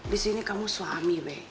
di sini kamu suami be